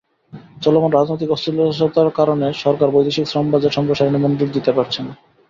চলমান রাজনৈতিক অস্থিতিশীলতার কারণে সরকার বৈদেশিক শ্রমবাজার সম্প্রসারণে মনোযোগ দিতে পারছে না।